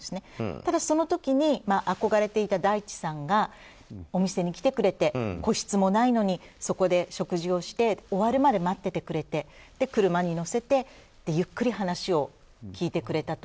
ただ、その時に憧れていた大地さんがお店に来てくれて個室もないのにそこで食事をして終わるまで待っててくれて車に乗せてゆっくり話を聞いてくれたと。